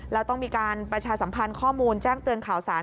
แล้วต้องมีการประชาสัมพันธ์ข้อมูลแจ้งเตือนข่าวสาร